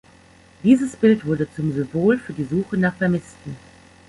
Dieses Bild wurde zum Symbol für die Suche nach Vermissten.